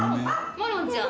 マロンちゃん。